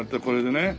これでね。